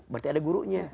berarti ada gurunya